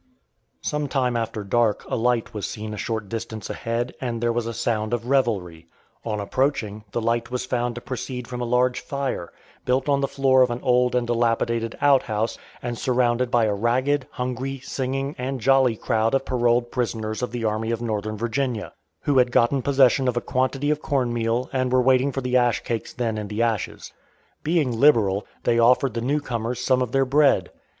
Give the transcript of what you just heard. Some time after dark a light was seen a short distance ahead and there was a "sound of revelry." On approaching, the light was found to proceed from a large fire, built on the floor of an old and dilapidated outhouse, and surrounded by a ragged, hungry, singing, and jolly crowd of paroled prisoners of the Army of Northern Virginia, who had gotten possession of a quantity of corn meal and were waiting for the ash cakes then in the ashes. Being liberal, they offered the new comers some of their bread.